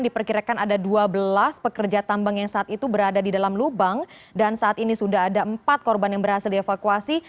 diperkirakan ada dua belas pekerja tambang yang saat itu berada di dalam lubang dan saat ini sudah ada empat korban yang berhasil dievakuasi